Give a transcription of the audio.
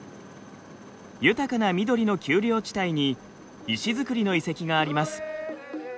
豊かな緑の丘陵地帯に石造りの遺跡があります。